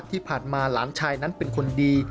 ที่ผ่านมาหลานชายนั้นเป็นคนดี